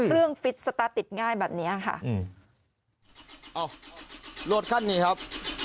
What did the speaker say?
เรื่องฟิตสตาร์ทติดง่ายแบบเนี้ยค่ะอืมอ้อรถขั้นนี่ครับ